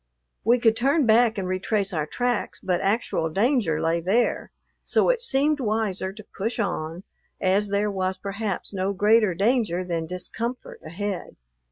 We could turn back and retrace our tracks, but actual danger lay there; so it seemed wiser to push on, as there was, perhaps, no greater danger than discomfort ahead.